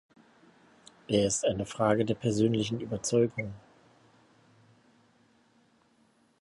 Er ist eine Frage der persönlichen Überzeugung.